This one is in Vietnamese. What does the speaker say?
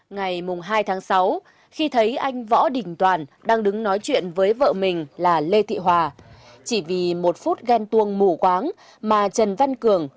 ngày hai tháng sáu khi thấy anh võ đình toàn đang đứng nói chuyện với vợ mình là lê thị hòa chỉ vì một phút ghen tuông mù quáng mà trần văn cường